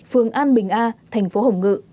phường an bình a thành phố hồng ngự